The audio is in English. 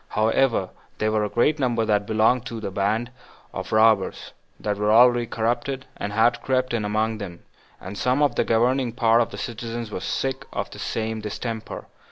However, there were a great number that belonged to a band of robbers, that were already corrupted, and had crept in among them, and some of the governing part of the citizens were sick of the same distemper.